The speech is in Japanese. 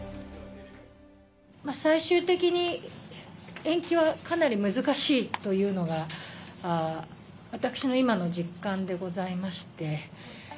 最終的に延期はかなり難しいというのが、私の今の実感でございまして。